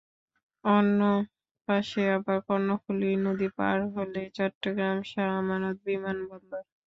অন্য পাশে আবার কর্ণফুলী নদী পার হলেই চট্টগ্রাম শাহ আমানত বিমানবন্দর।